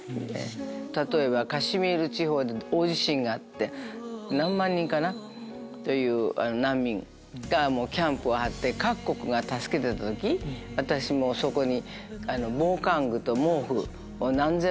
例えばカシミール地方で大地震があって何万人という難民がキャンプを張って各国が助けてた時私もそこに。